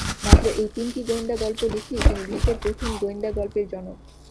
মাত্র এই তিনটি গোয়েন্দা গল্প লিখেই তিনি বিশ্বের প্রথম গোয়েন্দাগল্পের জনক।